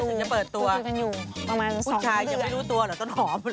ถึงจะเปิดตัวผู้ชายยังไม่รู้ตัวเหรอต้นหอมหรือไงประมาณ๒นาที